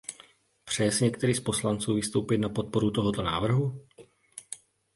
Přeje si některý z poslanců vystoupit na podporu tohoto návrhu?